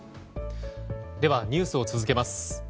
ニュースを続けます。